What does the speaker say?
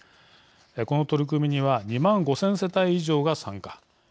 この取り組みには２万５０００世帯以上が参加。